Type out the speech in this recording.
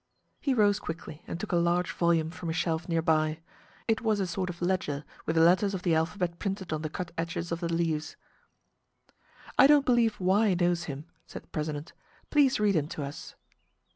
He rose quickly and took a large volume from a shelf near by. It was a sort of ledger, with the letters of the alphabet printed on the cut edges of the leaves. "I don't believe Y knows him," said the president. "Please read him to us."